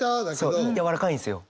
そうやわらかいんですよ。